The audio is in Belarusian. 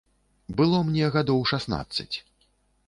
Было мне гадоў шаснаццаць.